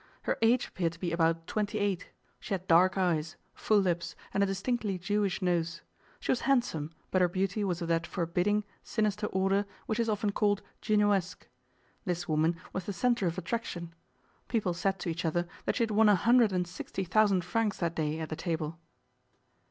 Her age appeared to be about twenty eight; she had dark eyes, full lips, and a distinctly Jewish nose. She was handsome, but her beauty was of that forbidding, sinister order which is often called Junoesque. This woman was the centre of attraction. People said to each other that she had won a hundred and sixty thousand francs that day at the table.